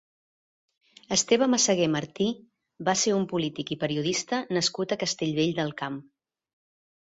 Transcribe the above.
Esteve Massagué Martí va ser un polític i periodista nascut a Castellvell del Camp.